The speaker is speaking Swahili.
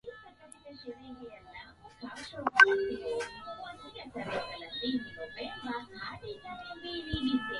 jina la mlima huu limetokana na kabila maarufu nchini Tanzania la Wameru